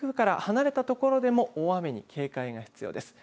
台風から離れたところでも大雨に警戒が必要です。